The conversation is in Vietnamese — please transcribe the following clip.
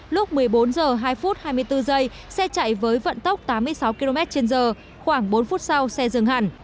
lúc một mươi bốn h hai hai mươi bốn sẽ chạy với vận tốc tám mươi sáu km trên giờ khoảng bốn phút sau xe dừng hẳn